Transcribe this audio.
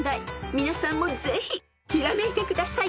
［皆さんもぜひひらめいてください］